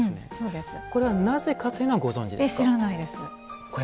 これはなぜかというのはご存じですか？